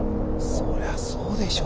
そりゃそうでしょ。